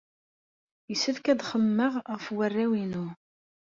Yessefk ad xemmemeɣ ɣef warraw-inu.